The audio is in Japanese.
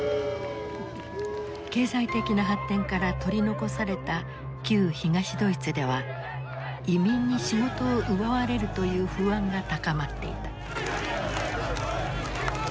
経済的な発展から取り残された旧東ドイツでは移民に仕事を奪われるという不安が高まっていた。